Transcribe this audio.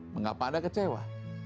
mengapa anda kecewa